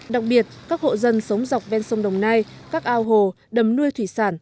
đặc biệt các hộ dân sống dọc ven sông đồng nai các ao hồ đầm nuôi thủy sản